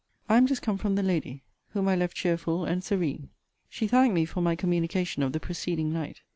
I am just come from the lady, whom I left cheerful and serene. She thanked me for my communication of the preceding night.